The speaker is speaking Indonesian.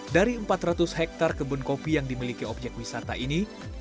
dari empat ratus hektare kebun kopi yang dimiliki objek wisata ini